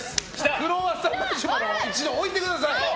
クロワッサンマシュマロを一度置いてください。